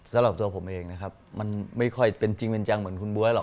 สำหรับตัวผมเองนะครับมันไม่ค่อยเป็นจริงเป็นจังเหมือนคุณบ๊วยหรอก